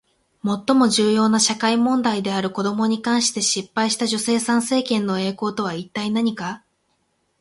最も重要な社会問題である子どもに関して失敗した女性参政権の栄光とは一体何か？